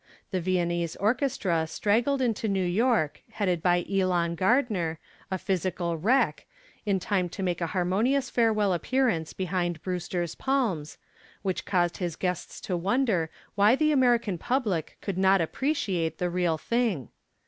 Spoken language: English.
The Viennese orchestra straggled into New York, headed by Elon Gardner, a physical wreck, in time to make a harmonious farewell appearance behind Brewster's palms, which caused his guests to wonder why the American public could not appreciate the real thing.